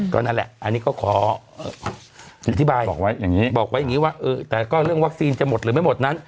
ก็นั่นแหละอันนี้ก็ขออธิบายบอกไว้อย่างนี้บอกไว้อย่างนี้ว่าแต่ก็เรื่องวัคซีนจะหมดหรือไม่หมดนั้น